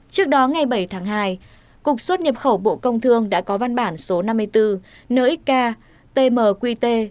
trước đó ngày bảy tháng hai cục xuất nhập khẩu bộ công thương đã có văn bản số năm mươi bốn nxk tmqt